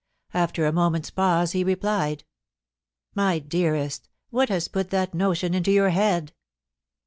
After a moment's pause, he replied :* My dearest, what has put that notion into your head